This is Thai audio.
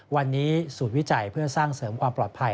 วันนี้สูตรวิจัยเพื่อสร้างเสริมความปลอดภัย